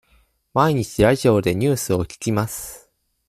毎日ラジオでニュースを聞きます。